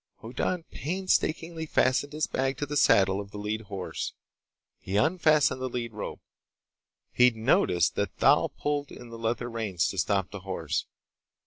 Hoddan painstakingly fastened his bag to the saddle of the lead horse. He unfastened the lead rope. He'd noticed that Thal pulled in the leather reins to stop the horse.